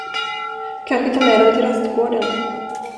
Kanske ta med dem till rastgården.